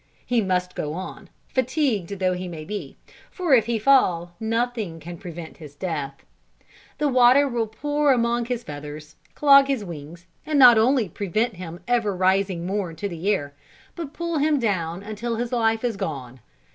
He must go on, fatigued though he may be, for if he fall, nothing can prevent his death; the water will pour among his feathers, clog his wings, and not only prevent him ever rising more into the air, but pull him down until his life is gone.